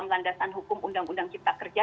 landasan hukum undang undang cipta kerja